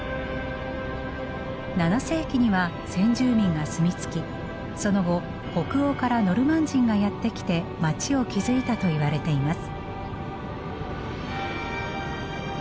７世紀には先住民が住み着きその後北欧からノルマン人がやって来て街を築いたといわれています。